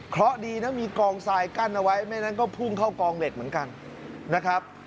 เพราะดีนะมีกองทรายกั้นเอาไว้ไม่งั้นก็พุ่งเข้ากองเหล็กเหมือนกันนะครับ